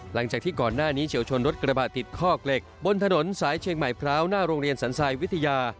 หลังจากที่ก่อนหน้านี้เฉียวชนรถกระบะติดคอกเหล็กบนถนนสายเชียงใหม่พร้าวหน้าโรงเรียนสันทรายวิทยา